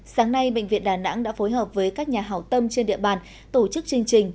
sáng nay bệnh viện đà nẵng đã phối hợp với các nhà hảo tâm trên địa bàn tổ chức chương trình